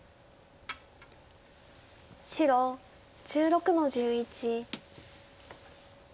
白１６の十一。